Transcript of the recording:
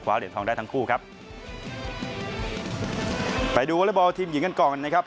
เหรียญทองได้ทั้งคู่ครับไปดูวอเล็กบอลทีมหญิงกันก่อนนะครับ